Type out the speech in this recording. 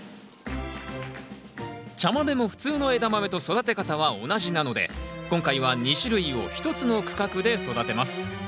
茶豆も普通のエダマメと育て方は同じなので今回は２種類を１つの区画で育てます。